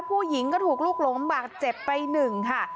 ผู้หญิงก็ถูกลูกหลงบาดเจ็บไปหนึ่งค่ะ